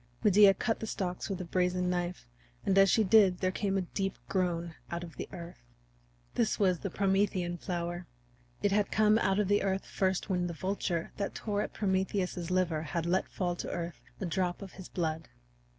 Medea cut the stalks with a brazen knife, and as she did there came a deep groan out of the earth. This was the Promethean flower. It had come out of the earth first when the vulture that tore at Prometheus's liver had let fall to earth a drop of his blood.